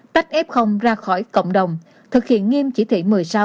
tách f ra khỏi cộng đồng thực hiện nghiêm chỉ thị một mươi sáu